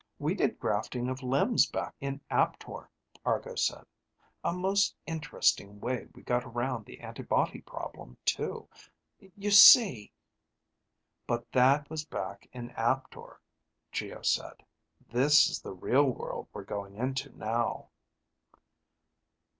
"We did grafting of limbs back in Aptor," Argo said. "A most interesting way we got around the antibody problem, too. You see " "But that was back in Aptor," Geo said. "This is the real world we're going into now."